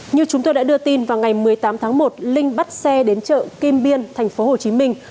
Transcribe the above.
như chúng tôi đã đưa tin vào ngày một mươi tám tháng một linh bắt xe đến chợ kim biên thành phố hồ chí minh